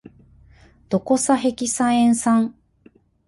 ドコサヘキサエン酸